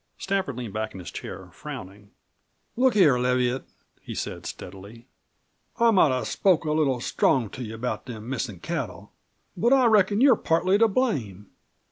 Stafford leaned back in his chair, frowning. "Look here, Leviatt," he said steadily. "I might have spoke a little strong to you about them missin' cattle. But I reckon you're partly to blame.